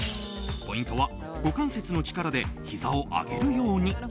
ポイントは、股関節の力でひざを上げるように。